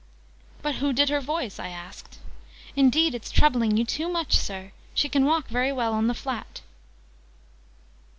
"But who did her voice?" I asked. "Indeed it's troubling you too much, Sir! She can walk very well on the flat."